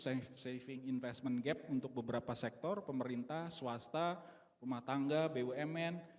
saving investment gap untuk beberapa sektor pemerintah swasta rumah tangga bumn